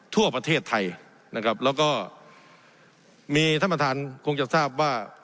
ทั่วประเทศไทยนะครับแล้วก็มีท่านประธานคงจะทราบว่า